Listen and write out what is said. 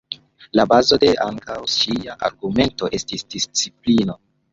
La bazo de ankaŭ ŝia argumento estis disciplino.